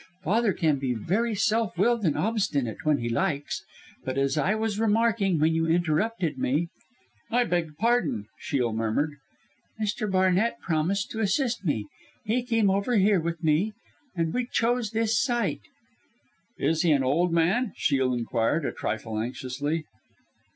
Father can be very self willed and obstinate, when he likes. But as I was remarking when you interrupted me " "I beg pardon!" Shiel murmured. "Mr. Barnett promised to assist me. He came over here with me, and we chose this site." "Is he an old man?" Shiel inquired, a trifle anxiously.